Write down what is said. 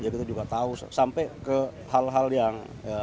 kita juga tahu sampai ke hal hal yang